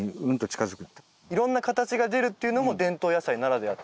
いろんな形が出るっていうのも伝統野菜ならではと。